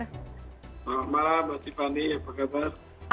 selamat malam mbak tiffany apa kabar